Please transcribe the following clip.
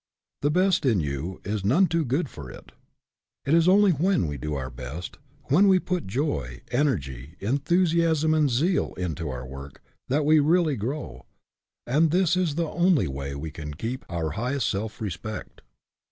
The best in you is none too good for it. It is only when we do our best, when we put joy, energy, enthusiasm and zeal into our work, that we really grow ; and this is the only way we can keep our highest self respect.